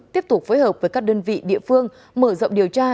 tiếp tục phối hợp với các đơn vị địa phương mở rộng điều tra